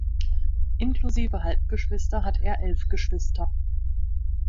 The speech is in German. Inklusive Halbgeschwister hat er elf Geschwister.